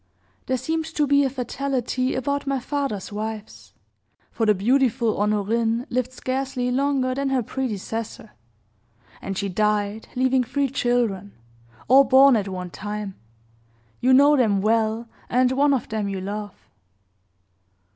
There seemed to be a fatality about my father's wives; for the beautiful Honorine lived scarcely longer than her predecessor, and she died, leaving three children all born at one time you know them well, and one of them you love.